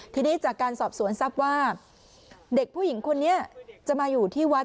ทีนี้จากการสอบสวนทรัพย์ว่าเด็กผู้หญิงคนนี้จะมาอยู่ที่วัด